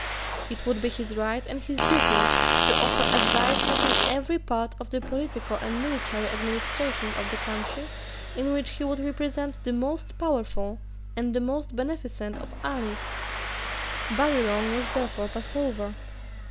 It would be his right and his duty to offer advice touching every part of the political and military administration of the country in which he would represent the most powerful and the most beneficent of allies. Barillon was therefore passed over.